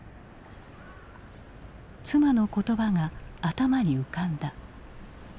妻の言葉が頭に浮かんだ。